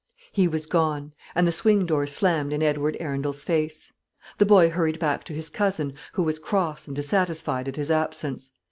He was gone, and the swing door slammed in Edward Arundel's face. The boy hurried back to his cousin, who was cross and dissatisfied at his absence.